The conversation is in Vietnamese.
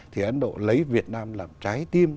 thì ấn độ lấy việt nam làm trái tim